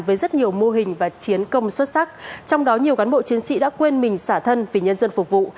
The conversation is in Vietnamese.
với rất nhiều mô hình và chiến công xuất sắc trong đó nhiều cán bộ chiến sĩ đã quên mình xả thân vì nhân dân phục vụ